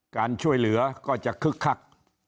การช่วยเหลือก็จะคึกคัก